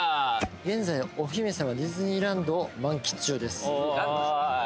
現在お姫様はディズニーランドを満喫中ですおい